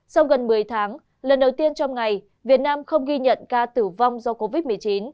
sau gần một mươi tháng lần đầu tiên trong ngày việt nam không ghi nhận ca tử vong do covid một mươi chín